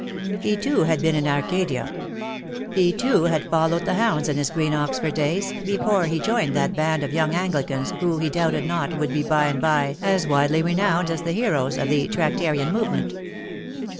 He, too, had been in Arcadia ; he, toOj had followed the hounds in his green Oxford days, before he joined that band of young Anglicans who he doubted not would by and by be as widely renowned as the heroes of the Tractarian movement.